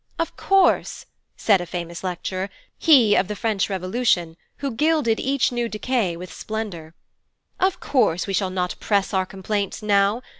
'Of course,' said a famous lecturer he of the French Revolution, who gilded each new decay with splendour 'of course we shall not press our complaints now.